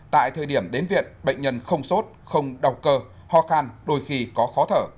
tại thời điểm đến viện bệnh nhân không sốt không đọc cơ ho khăn đôi khi có khó thở